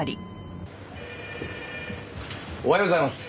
おはようございます。